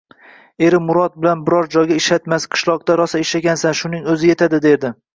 Eri Murod uni biror joyda ishlatmas, Qishloqda rosa ishlagansan, shuning o`zi etadi, derdi